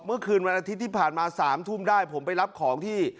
เมื่อคืนวันอาทิตย์ที่ผ่านมา๓ทุ่มได้ผมไปรับของที่